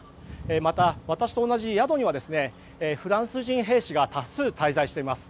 また、私と同じ宿にはフランス人兵士が多数、滞在しています。